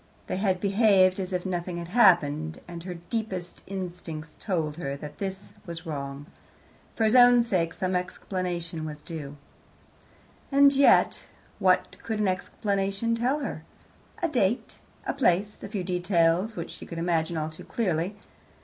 They had behaved as if nothing had happened, and her deepest instincts told her that this was wrong. For his own sake, some explanation was due. And yet what could an explanation tell her? A date, a place, a few details, which she could imagine all too clearly.